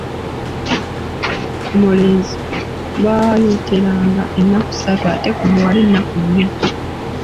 Ku mulenzi, baayoteranga ennaku ssatu ate ku muwala ennaku nnya.